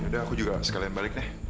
ya aku juga sekalian balik nek